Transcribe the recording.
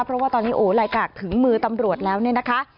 เพราะว่าตอนนี้โอ้ลายกากถึงมือตำรวจแล้วเนี่ยนะคะ